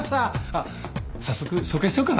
あっ早速紹介しちゃおうかな？